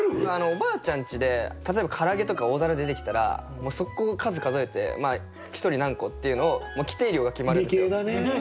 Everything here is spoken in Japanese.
おばあちゃんちで例えばから揚げとか大皿で出てきたらもう即行数数えて１人何個っていうのを規定量が決まるんですよ。